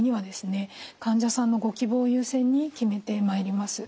患者さんのご希望を優先に決めてまいります。